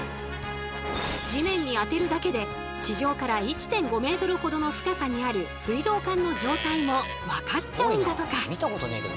地面にあてるだけで地上から１．５ｍほどの深さにある水道管の状態も分かっちゃうんだとか。